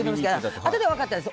あとで分かったんです